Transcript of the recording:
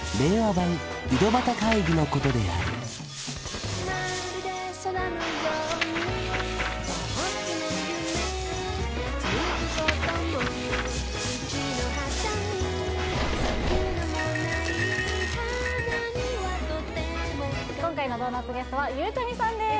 版井戸端会議のことである本日のドーナツゲストはゆうちゃみさんです